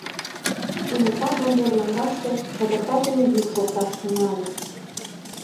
Кенета вондер лоҥгаште шотыртатыме йӱк шокташ тӱҥале.